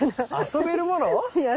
遊べるもの？